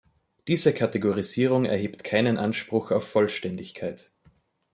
Diese Kategorisierung erhebt keinen Anspruch auf Vollständigkeit.